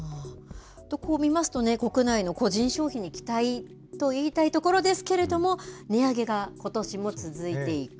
こう見ますと、国内の個人消費に期待と言いたいところですけれども、値上げがことしも続いていく。